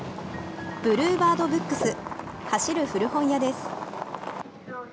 ブルーバードブックス走る古本屋です。